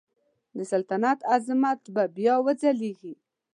د سلطنت عظمت به بیا وځلیږي.